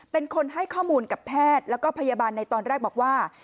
เป็นคนให้ข้อมูลกับแพทย์แล้วก็พยาบาลในตอนแรกบอกว่า